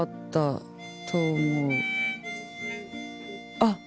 あっ！